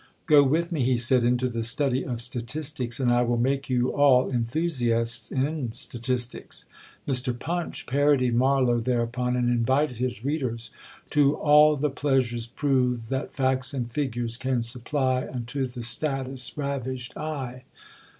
"Go with me," he said, "into the study of statistics, and I will make you all enthusiasts in statistics." Mr. Punch parodied Marlowe thereupon, and invited his readers to "all the pleasures prove That facts and figures can supply Unto the Statist's ravished eye."